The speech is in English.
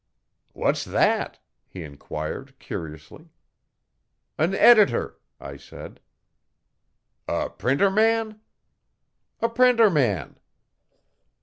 'What's that?' he enquired curiously. 'An editor,' I said. 'A printer man?' 'A printer man.'